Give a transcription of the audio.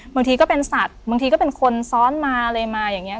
บางทีก็เป็นสัตว์บางทีก็เป็นคนซ้อนมาอะไรมาอย่างนี้